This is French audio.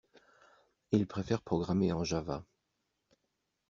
Il préfère programmer en java.